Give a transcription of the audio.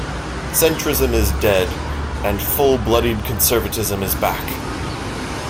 Centrism is dead, and full bloodied conservatism is back...